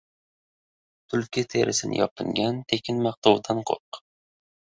Tulki terisini yopingan tekin maqtovdan qo‘rq.